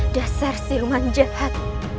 dasar silman jahat